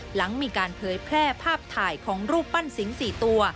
หลังมีการเผยแพร่ภาพถ่ายของรูปปั้นสิง๔ตัว